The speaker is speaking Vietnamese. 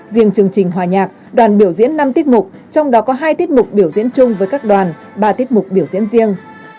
riêng chương trình hòa nhạc đoàn biểu diễn năm tiết mục trong đó có hai tiết mục biểu diễn chung với các đoàn ba tiết mục biểu diễn riêng